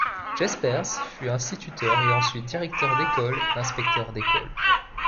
Jespers fut instituteur et ensuite directeur d'école et inspecteur d'écoles.